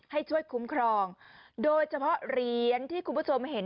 ให้ช่วยคุ้มครองโดยเฉพาะเหรียญที่คุณผู้ชมเห็น